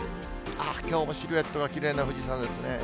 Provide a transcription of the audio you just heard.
きょうもシルエットがきれいな富士山ですね。